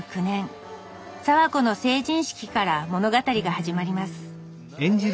早和子の成人式から物語が始まります。